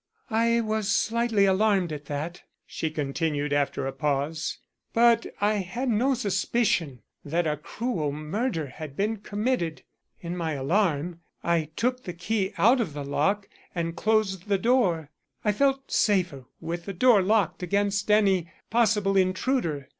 "I was slightly alarmed at that," she continued, after a pause; "but I had no suspicion that a cruel murder had been committed. In my alarm I took the key out of the lock and closed the door. I felt safer with the door locked against any possible intruder.